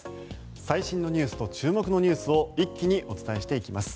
最新ニュースと注目ニュースを一気にお伝えします。